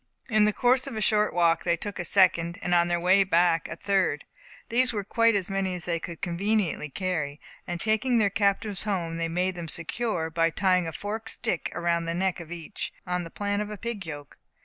In the course of a short walk they took a second, and on their way back, a third. These were quite as many as they could conveniently carry; and taking their captives home, they made them secure, by tying a forked stick around the neck of each, on the plan of a pig yoke.